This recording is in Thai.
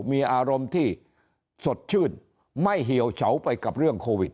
มีอารมณ์ที่สดชื่นไม่เหี่ยวเฉาไปกับเรื่องโควิด